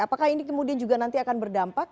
apakah ini kemudian juga nanti akan berdampak